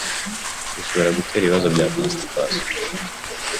ishobora gutera ibibazo bya constipation,